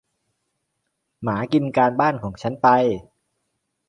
หมากินการบ้านของฉันไป